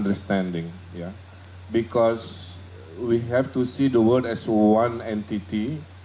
karena kita harus melihat dunia sebagai satu entiti